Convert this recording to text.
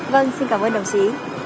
xin cảm ơn đồng chí